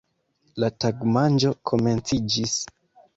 La tagmanĝo komenciĝis.